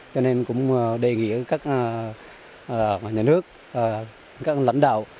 cho nên cũng đề nghị các nhà nước các lãnh đạo